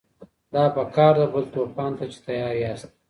دا په کار ده بل توپان ته چي تیار یاست